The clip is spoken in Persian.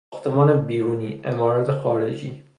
ساختمان بیرونی، عمارت خارجی